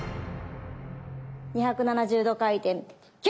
２７０度回転。